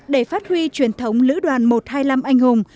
để phát huy truyền thống lữ đoàn một trăm hai mươi năm anh hùng